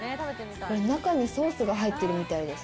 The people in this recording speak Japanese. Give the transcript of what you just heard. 中にソースが入ってるみたいです。